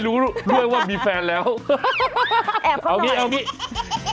รู้ด้วยว่ามีแฟนแล้วแอบเขาหน่อยเอาอย่างนี้เอาอย่างนี้